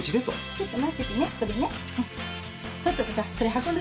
ちょっと！